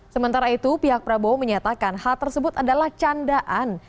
sementara itu pihak prabowo menyatakan hal tersebut adalah candaan